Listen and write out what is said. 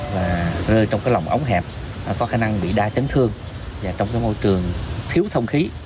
và rơi trong cái lòng ống hẹp có khả năng bị đa chấn thương và trong cái môi trường thiếu thông khí